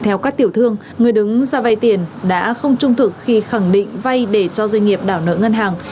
theo các tiểu thương người đứng ra vay tiền đã không trung thực khi khẳng định vay để cho doanh nghiệp đảo nợ ngân hàng